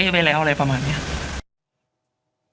ตัดเป้ไว้แล้วอะไรประมาณนี้